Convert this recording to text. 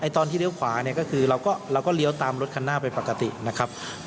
ตอนที่เลี้ยวขวาเนี่ยก็คือเราก็เลี้ยวตามรถคันหน้าไปปกตินะครับ